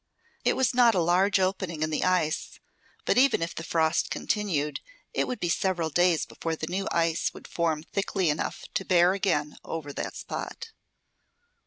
It was not a large opening in the ice; but even if the frost continued, it would be several days before the new ice would form thickly enough to bear again over that spot.